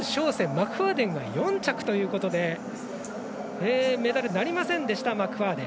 マクファーデンが４着ということでメダルなりませんでしたマクファーデン。